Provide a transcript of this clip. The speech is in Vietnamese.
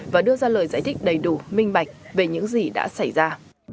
và đưa ra lời giải thích đầy đủ minh bạch về những gì đã xảy ra